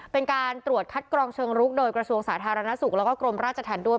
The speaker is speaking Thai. เป็นการตรวจคัดกรองเชิงรุกโดยกระทรวงสาธารณสุขแล้วก็กรมราชธรรมด้วย